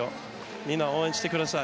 みんな応援してください。